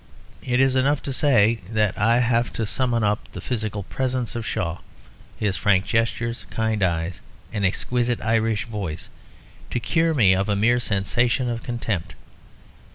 It is enough to say that I have to summon up the physical presence of Shaw, his frank gestures, kind eyes, and exquisite Irish voice, to cure me of a mere sensation of contempt.